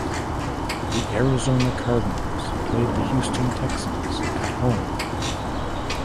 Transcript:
The Arizona Cardinals played the Houston Texans at home.